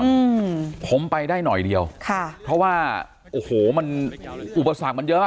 อืมผมไปได้หน่อยเดียวค่ะเพราะว่าโอ้โหมันอุปสรรคมันเยอะ